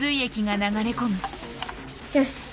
よし。